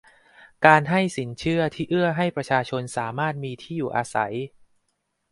การให้สินเชื่อที่เอื้อให้ประชาชนสามารถมีที่อยู่อาศัย